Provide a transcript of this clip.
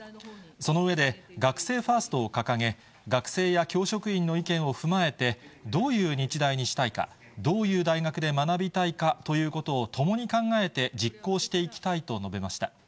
その上で、学生ファーストを掲げ、学生や教職員の意見を踏まえて、どういう日大にしたいか、どういう大学で学びたいかということを共に考えて実行していきたいと述べました。